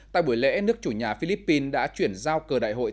tại buổi lễ nước chủ nhà philippines đã chuyển giao cờ đại hội